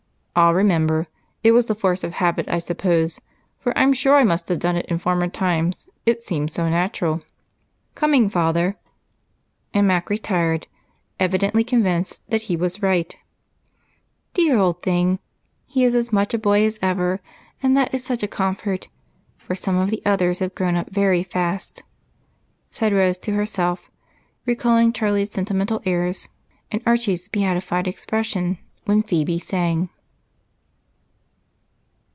"I'll remember. It was the force of habit, I suppose, for I'm sure I must have done it in former times, it seemed so natural. Coming, Father!" and Mac retired, evidently convinced he was right. "Dear old thing! He is as much a boy as ever, and that is such a comfort, for some of the others have grown up very fast," said Rose to herself, recalling Charlie's sentimental airs and Archie's beatified expression while Phebe sang.